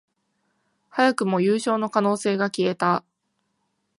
早くも優勝の可能性が消えた